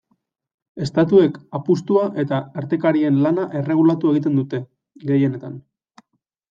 Estatuek apustua eta artekarien lana erregulatu egiten dute, gehienetan.